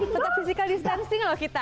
tetap physical distancing loh kita